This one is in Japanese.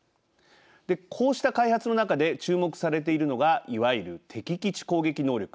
こうした開発の中で注目されているのがいわゆる敵基地攻撃能力。